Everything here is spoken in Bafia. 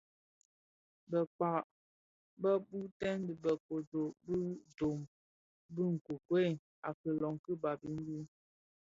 Bëkpag be boytèn bi bë kodo bë ndom bi nkokuei a ilön ki Babimbi.